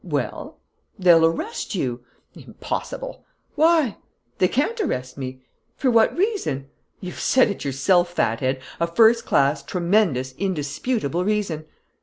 "Well?" "They'll arrest you." "Impossible!" "Why?" "They can't arrest me." "For what reason?" "You've said it yourself, fat head: a first class, tremendous, indisputable reason."